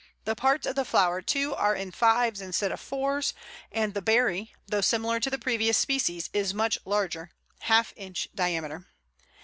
The parts of the flower, too, are in fives instead of fours; and the "berry," though similar to the previous species, is much larger (half inch diameter).